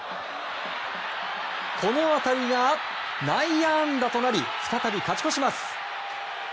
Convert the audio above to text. この当たりが内野安打となり再び勝ち越します。